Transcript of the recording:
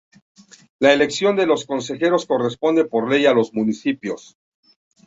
La elección de los consejeros corresponde por ley a los municipios.